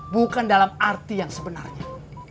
bukan dalam arti yang sebenarnya